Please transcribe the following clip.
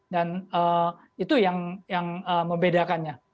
dan itu yang membedakannya